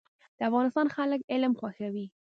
د افغانستان خلک علم خوښوي